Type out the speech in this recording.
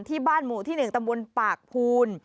ที่บ้านหมู่ที่๑ตำบลปากภูน